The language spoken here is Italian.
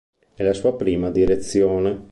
È la sua prima direzione.